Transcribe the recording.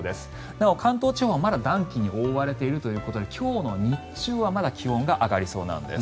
なお、関東地方はまだ暖気に覆われているということで今日の日中はまだ気温は上がりそうなんです。